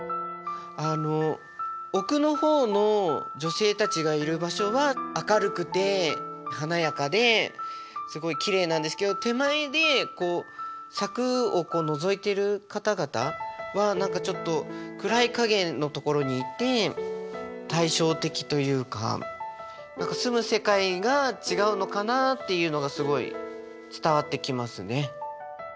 あの奥の方の女性たちがいる場所は明るくて華やかですごいきれいなんですけど手前で柵をのぞいてる方々は何かちょっと暗い影のところにいて対照的というか何か住む世界が違うのかなっていうのがすごい伝わってきますね。